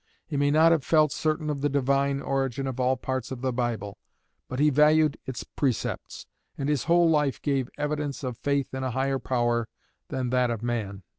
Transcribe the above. He may not have felt certain of the divine origin of all parts of the Bible, but he valued its precepts, and his whole life gave evidence of faith in a higher power than that of man.